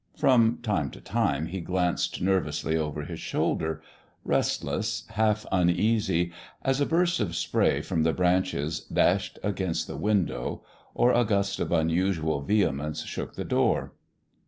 From time to time he glanced nervously over his shoulder, restless, half uneasy, as a burst of spray from the branches dashed against the window, or a gust of unusual vehemence shook the door.